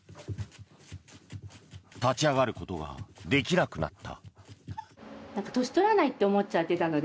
立ち上がることができなくなった。